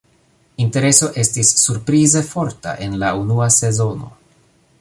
Intereso estis surprize forta en la unua sezono.